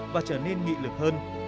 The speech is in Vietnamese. và trở nên nghị lực hơn